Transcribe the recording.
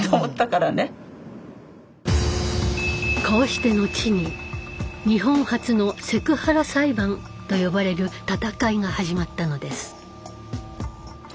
こうして後に「日本初のセクハラ裁判」と呼ばれる闘いが始まったのです。